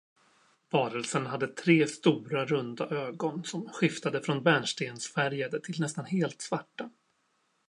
Varelsen hade tre stora, runda ögon som skiftade från bärnstensfärgade till nästan helt svarta.